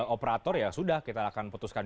operator ya sudah kita akan putuskan